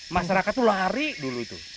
masyarakat itu lari dulu itu